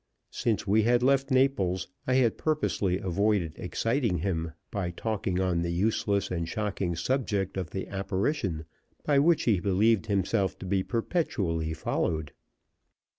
Since we had left Naples I had purposely avoided exciting him by talking on the useless and shocking subject of the apparition by which he believed himself to be perpetually followed.